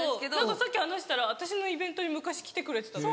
さっき話したら私のイベントに昔来てくれてたとか。